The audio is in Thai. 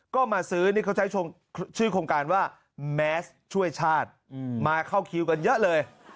เข้าคิวกันเยอะเลย